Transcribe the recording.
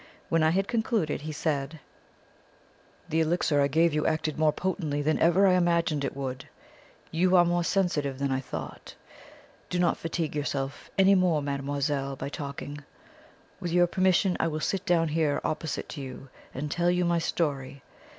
When I had concluded he said: "The elixir I gave you acted more potently than even I imagined it would. You are more sensitive than I thought. Do not fatigue yourself any more, mademoiselle, by talking. With your permission I will sit down here opposite to you and tell you my story.